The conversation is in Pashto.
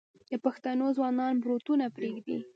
د پښتنو ځوانان بروتونه پریږدي.